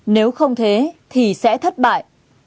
nếu không thế thì sẽ thất bại